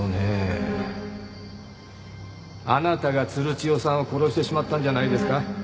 あなたが鶴千代さんを殺してしまったんじゃないですか？